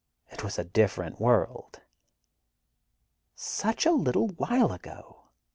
It was a different world." Such a little while ago